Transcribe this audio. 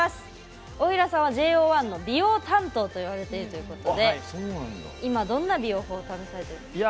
大平さんはＪＯ１の美容担当といわれているということで今どんな美容法試されているんですか？